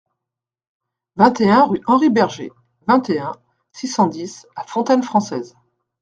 vingt et un rue Henry Berger, vingt et un, six cent dix à Fontaine-Française